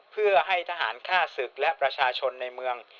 เพื่อให้ทหารฆ่าศึกและประชาชนในเมือง